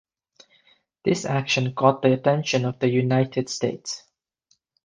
This action caught the attention of the United States.